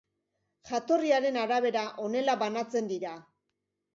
Jatorriaren arabera, honela banatzen dira.